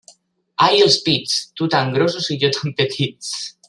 Ai els pits, tu tan grossos i jo tan petits.